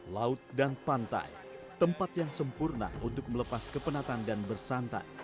laut dan pantai tempat yang sempurna untuk melepas kepenatan dan bersantai